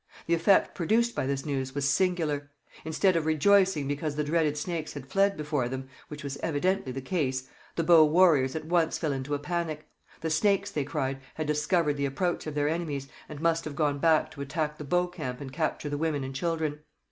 The effect produced by this news was singular. Instead of rejoicing because the dreaded Snakes had fled before them, which was evidently the case, the Bow warriors at once fell into a panic. The Snakes, they cried, had discovered the approach of their enemies, and must have gone back to attack the Bow camp and capture the women and children.